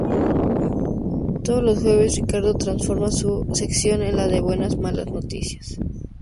Todos los jueves, Ricardo transforma su sección en la de "Buenas Malas Noticias".